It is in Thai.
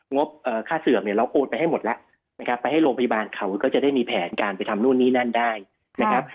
บค่าเสื่อมเนี่ยเราโอนไปให้หมดแล้วนะครับไปให้โรงพยาบาลเขาก็จะได้มีแผนการไปทำนู่นนี่นั่นได้นะครับ